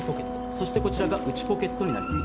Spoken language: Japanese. そしてこちらが内ポケットになります。